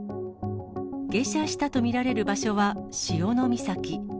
下車したと見られる場所は、潮岬。